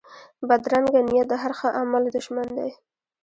بدرنګه نیت د هر ښه عمل دشمن دی